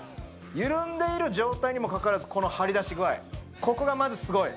緩んでいる状態にもかかわらず、この張り出し具合、ここがまずすごい。